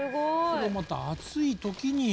それをまた暑い時に。